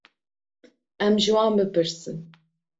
Em ji wan bipirsin.